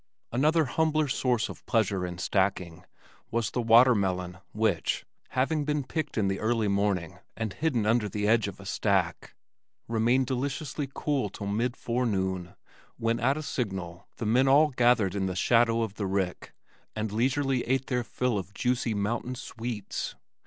Another humbler source of pleasure in stacking was the watermelon which, having been picked in the early morning and hidden under the edge of the stack, remained deliciously cool till mid forenoon, when at a signal, the men all gathered in the shadow of the rick, and leisurely ate their fill of juicy "mountain sweets."